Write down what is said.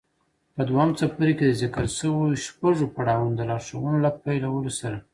په دويم څپرکي کې د ذکر شويو شپږو پړاوونو د لارښوونو له پيلولو سره.